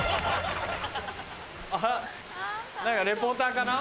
あら何かリポーターかな？